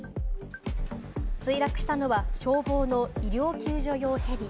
墜落したのは、消防の医療救助用ヘリ。